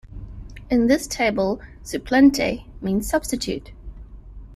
In this table "suplente" means substitute.